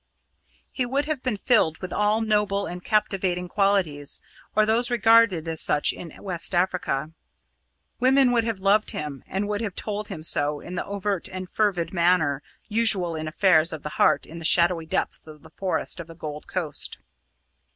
He would have been filled with all noble and captivating qualities or those regarded as such in West Africa. Women would have loved him, and would have told him so in the overt and fervid manner usual in affairs of the heart in the shadowy depths of the forest of the Gold Coast.